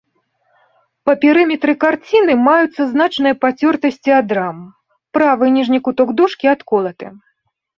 Па перыметры карціны маюцца значныя пацёртасці ад рам, правы ніжні куток дошкі адколаты.